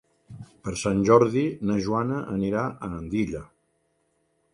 Per Sant Jordi na Joana anirà a Andilla.